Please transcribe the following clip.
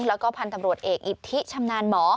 แล้วก็พันธุ์ตำรวจเอกอิทธิชำนาญหมอ